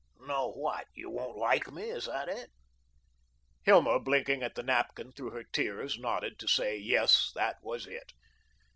"No what? You won't like me? Is that it?" Hilma, blinking at the napkin through her tears, nodded to say, Yes, that was it.